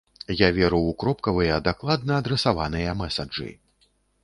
Я веру ў кропкавыя, дакладна адрасаваныя мэсаджы.